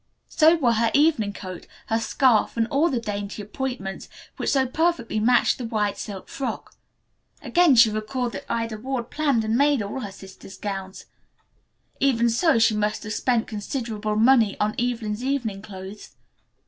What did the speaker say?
So were her evening coat, her scarf and all the dainty appointments which so perfectly matched the white silk frock. Again she recalled that Ida Ward planned and made all her sister's gowns. Even so, she must have spent considerable money on Evelyn's evening clothes.